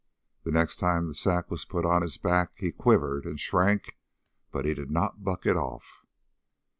The next time the sack was put on his back he quivered and shrank, but he did not buck it off.